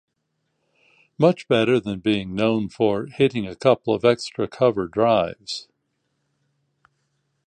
Much better than being known for hitting a couple of extra-cover drives.